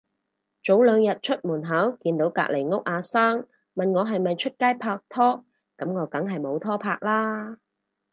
早兩日出門口見到隔離屋阿生，問我係咪出街拍拖，噉我梗係冇拖拍啦